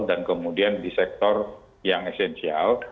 dan kemudian di sektor yang esensial